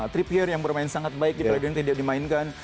trippier yang bermain sangat baik di pelajaran ini tidak dimainkan